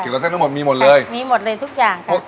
เกี่ยวกับเส้นทั้งหมดมีหมดเลยค่ะมีหมดเลยทุกอย่างค่ะ